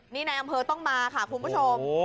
นี่ในอำเภอต้องมาค่ะคุณผู้ชม